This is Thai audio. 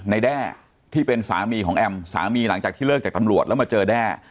แด้ที่เป็นสามีของแอมสามีหลังจากที่เลิกจากตำรวจแล้วมาเจอแด้